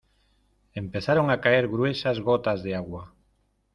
empezaron a caer gruesas gotas de agua.